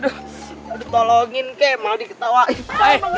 aduh tolongin kek malah diketawain